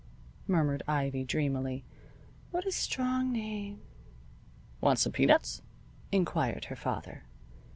murmured Ivy, dreamily. "What a strong name!" "Want some peanuts?" inquired her father.